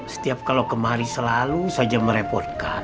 setiap kalau kemari selalu saja merepotkan